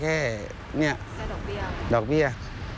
แค่ดอกเบี้ยดอกเบี้ย